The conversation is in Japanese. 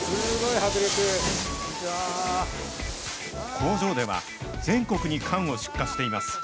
工場では、全国に缶を出荷しています。